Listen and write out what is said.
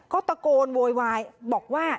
ก็ตะโกนโวยวายบอกว่า